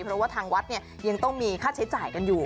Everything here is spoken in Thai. เพราะว่าทางวัดเนี่ยยังต้องมีค่าใช้จ่ายกันอยู่